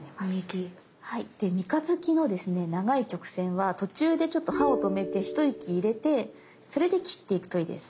で三日月の長い曲線は途中でちょっと刃を止めて一息入れてそれで切っていくといいです。